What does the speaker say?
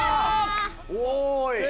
おい。